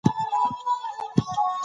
زما د مور نکل چا نه دی راته کړی